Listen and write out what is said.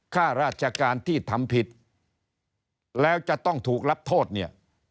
ข้าราชการที่ทำผิดแล้วจะต้องถูกรับโทษเนี่ย